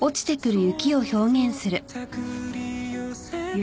雪？